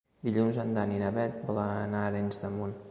Dilluns en Dan i na Bet volen anar a Arenys de Munt.